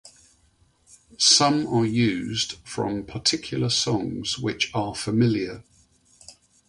Some are used from particular songs which are familiar.